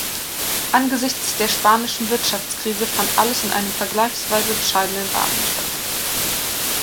Angesichts der spanischen Wirtschaftskrise fand alles in einem vergleichsweise bescheidenen Rahmen statt.